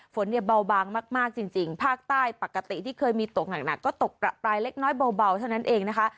ฝนเนี่ยเบาบางมากจริงภาคใต้ปกติที่เคยมีตกหนักก็ตกประปรายเล็กน้อยเบาเท่านั้นเองนะคะ